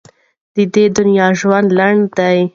د دنیا ژوند لنډ دی.